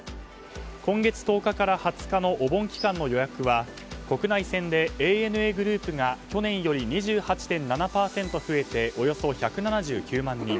今月１０日から２０日のお盆期間の予約は国内線でＡＮＡグループが去年より２８．７％増えておよそ１７９万人